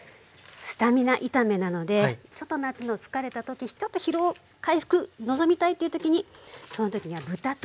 スタミナ炒めなのでちょっと夏の疲れた時ちょっと疲労回復望みたいという時にその時には豚とにらですね。